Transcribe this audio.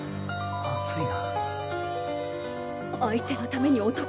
熱いな。